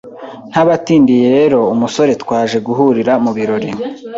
Ntabatindiye rero umusore twaje guhurira mu birori